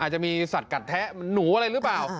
จะมีสัตว์กัดแทะหนูอะไรหรือเปล่า